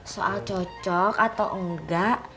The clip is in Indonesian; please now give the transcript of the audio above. soal cocok atau enggak